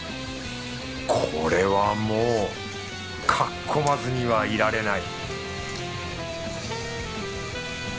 これはもうかっ込まずにはいられない